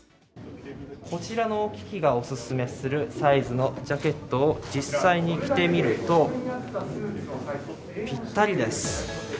こちらの機器がおすすめするサイズのジャケットを実際に着てみると、ぴったりです。